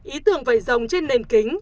ý tưởng vậy rồng trên nền kính